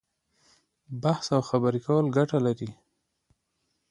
بحث او خبرې کول ګټه لري.